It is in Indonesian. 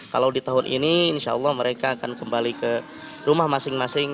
kalau di tahun ini insya allah mereka akan kembali ke rumah masing masing